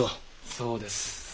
そうです。